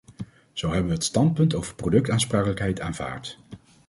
Zo hebben we het standpunt over productaansprakelijkheid aanvaard.